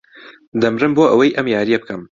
دەمرم بۆ ئەوەی ئەم یارییە بکەم.